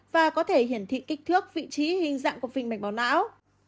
và có thể hiển thị kích thước vị trí hình dạng của phình mạch bóng não